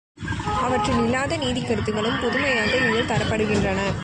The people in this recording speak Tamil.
அவற்றில் இல்லாத நீதிக் கருத்துகளும் புதுமையாக இதில் தரப்படுகின்றன.